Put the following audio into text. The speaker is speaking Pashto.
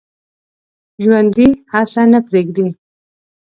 ژوندي هڅه نه پرېږدي